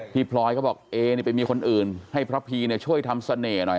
พลอยเขาบอกเอไปมีคนอื่นให้พระพีช่วยทำเสน่ห์หน่อย